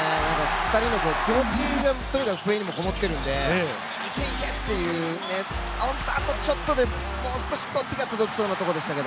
２人の気持ちがこもっているので、いけいけ！という、あとちょっとで、もう少し手が届きそうなところでしたね。